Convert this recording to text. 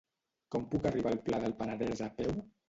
Com puc arribar al Pla del Penedès a peu?